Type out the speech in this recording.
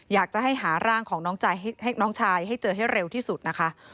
อยากจะให้หาร่างของน้องชายให้เจอให้เร็วที่สุดนะคะ